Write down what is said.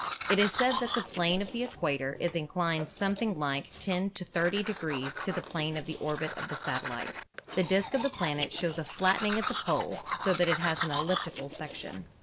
It is stated that the plane of the equator is inclined something like 10 to 30 degrees to the plane of the orbit of the satellite. The disk of the planet shows a flat tening at the poles, so that it has an elliptical section.